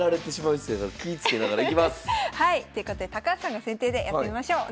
ということで高橋さんが先手でやってみましょう。